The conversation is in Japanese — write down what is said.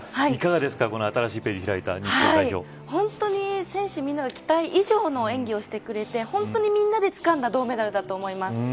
いかがですか、新しいページを期待以上の演技をしてくれてみんなでつかんだ銅メダルだと思います。